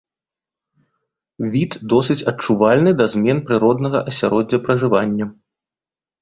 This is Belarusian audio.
Від досыць адчувальны да змен прыроднага асяроддзя пражывання.